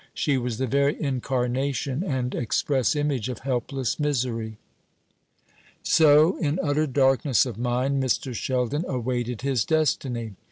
She was the very incarnation and express image of helpless misery. So, in utter darkness of mind, Mr. Sheldon awaited his destiny.